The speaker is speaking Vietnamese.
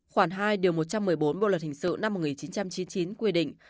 khoảng hai điều một trăm một mươi bốn bộ luật hình sự năm một nghìn chín trăm chín mươi chín quy định